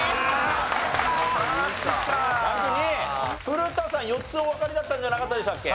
古田さん４つおわかりだったんじゃなかったでしたっけ？